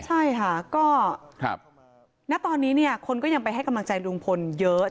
ใช่ค่ะก็ณตอนนี้เนี่ยคนก็ยังไปให้กำลังใจลุงพลเยอะ